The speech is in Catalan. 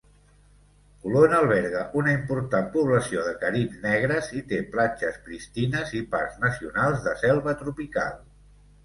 Colon alberga una important població de caribs negres i té platges pristines i parcs nacionals de selva tropical.